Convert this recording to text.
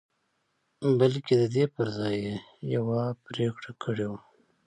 بلکې د دې پر ځای يې يوه پرېکړه کړې وه.